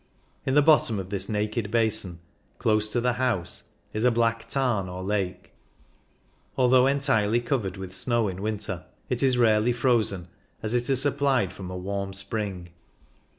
In the bottom of this naked basin, close to the house, is a black tarn, or lake. Although entirely covered with snow in winter, it is rarely frozen, as it is supplied from a warm spring.